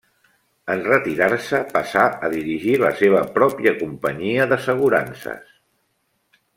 En retirar-se passà a dirigir la seva pròpia companyia d'assegurances.